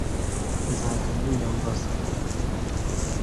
nzajya niyambaza